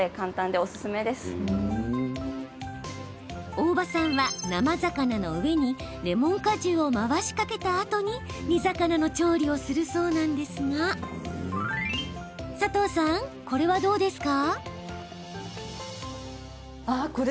大場さんは生魚の上にレモン果汁を回しかけたあとに煮魚の調理をするそうなんですが佐藤さん、これはどうですか？